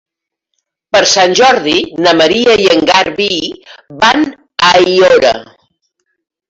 Per Sant Jordi na Maria i en Garbí van a Aiora.